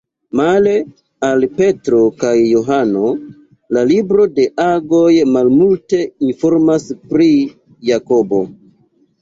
Male al Petro kaj Johano, la libro de Agoj malmulte informas pri Jakobo.